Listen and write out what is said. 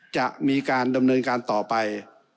จะมีการดำเนินการต่อไป